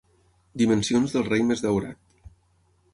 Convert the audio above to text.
Dimensions del rei més daurat.